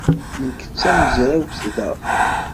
Nekk d tamezrawt da.